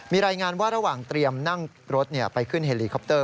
มีรายงานว่าระหว่างเตรียมนั่งรถไปขึ้นเฮลีคอปเต